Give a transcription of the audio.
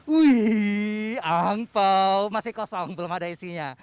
wih angpau masih kosong belum ada isinya